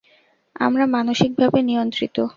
আমরা মানসিকভাবে নিয়ন্ত্রিত।